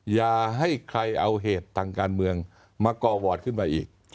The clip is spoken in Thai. อย่าให้ใครเอาเหตุทางการเมืองมาก่อวอร์ดขึ้นมาอีก